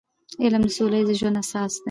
علم د سوله ییز ژوند اساس دی.